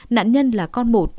nạn nhân là con một